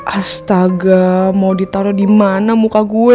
astaga mau ditaruh di mana muka gue